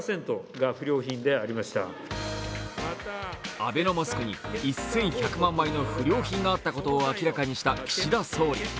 アベノマスクに１１００万枚の不良品があったことを明らかにした岸田総理。